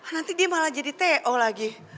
nanti dia malah jadi t o lagi